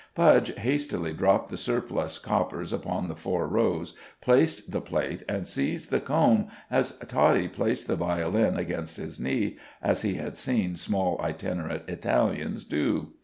Budge hastily dropped the surplus coppers upon the four rows, replaced the plate, and seized the comb as Toddie placed the violin against his knee, as he had seen small, itinerant Italians do.